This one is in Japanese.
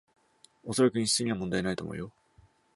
おそらく品質には問題ないと思うよ